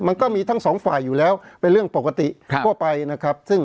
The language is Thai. มันก็มีทั้งสองฝ่ายอยู่แล้วเป็นเรื่องปกติทั่วไปนะครับ